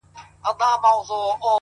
د ورځې ماته د جنت په نيت بمونه ښخ کړي _